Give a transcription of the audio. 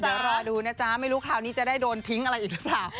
เดี๋ยวรอดูนะจ๊ะไม่รู้คราวนี้จะได้โดนทิ้งอะไรอีกหรือเปล่า